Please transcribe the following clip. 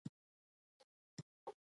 له زیارمل سره مرسته وکړﺉ .